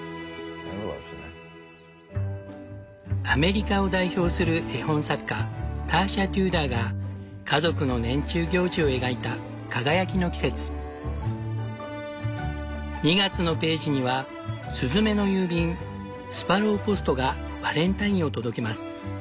アメリカを代表する絵本作家ターシャ・テューダーが家族の年中行事を描いた「輝きの季節」。２月のページには「スズメの郵便スパローポストがバレンタインを届けます。